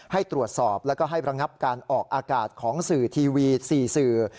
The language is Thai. ให้ตรวจสอบแล้วก็ให้ระงับการออกอากาศของสื่อทีวี๔สื่อ